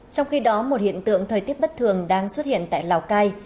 trong khi đó một hiện tượng thời tiết bất thường đang xuất hiện tại lào cai